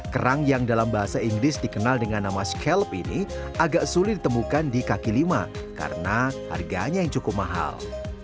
kerang yang dalam bahasa inggris dikenal dengan nama scallp ini agak sulit ditemukan di kaki lima karena harganya yang cukup mahal